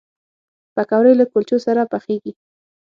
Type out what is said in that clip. پکورې له کلچو سره پخېږي